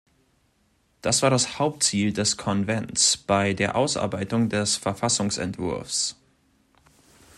Das war das Hauptziel des Konvents bei der Ausarbeitung des Verfassungsentwurfs.